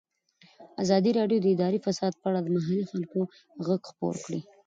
ازادي راډیو د اداري فساد په اړه د محلي خلکو غږ خپور کړی.